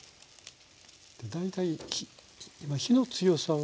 大体今火の強さは？